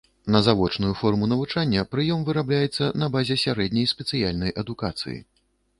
На завочную форму навучання прыём вырабляецца на базе сярэдняй спецыяльнай адукацыі.